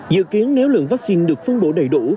dự kiến nếu lượng vắc xin được phân bổ đầy đủ